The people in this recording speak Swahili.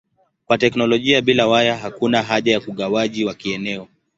Kwa teknolojia bila waya hakuna haja ya ugawaji wa kieneo.